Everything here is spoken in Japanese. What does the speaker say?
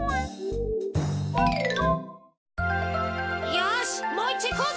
よしもういっちょいこうぜ！